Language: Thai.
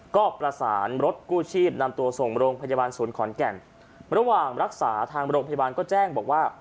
ก็ประสานรถกู้ชีพนำตัวส่งโรงพยาบาลศูนย์ขอนแก่นระหว่างรักษาทางโรงพยาบาลก็แจ้งบอกว่า